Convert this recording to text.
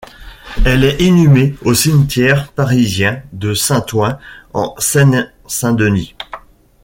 Elle est inhumée au cimetière parisien de Saint-Ouen en Seine-Saint-Denis.